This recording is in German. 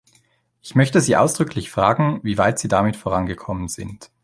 Ich möchte Sie ausdrücklich fragen, wie weit Sie damit vorangekommen sind.